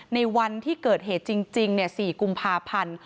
ในวันที่เกิดเหตุจริง๔กุมภาพันธ์